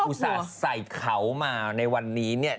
อุตส่าห์ใส่เขามาในวันนี้เนี่ย